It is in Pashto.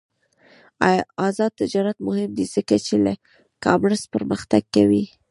آزاد تجارت مهم دی ځکه چې ای کامرس پرمختګ کوي.